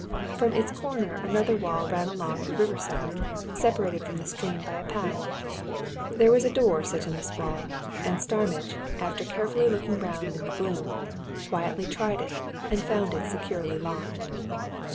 From its corner another wall ran along the river side, separated from the stream by a path. There was a door set in this wall, and Starmidge, after carefully looking round in the gloom, quietly tried it and found it securely locked.